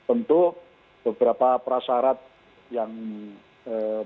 untuk beberapa prasyarat yang menjadi